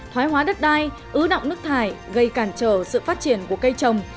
thoái hóa đất đai ứ động nước thải gây cản trở sự phát triển của cây trồng